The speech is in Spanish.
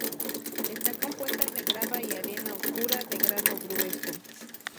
Está compuesta de grava y arena oscura de grano grueso.